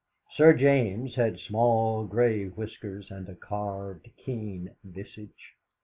Sir James had small grey whiskers and a carved, keen visage.